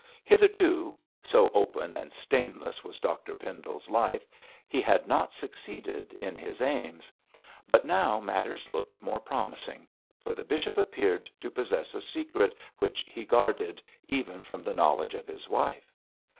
Hitherto so open and stainless was Dr Pendle's life he had not succeeded in his aims; but now matters looked more promising, for the bishop appeared to possess a secret which he guarded even from the knowledge of his wife.